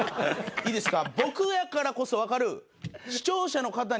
いいですか？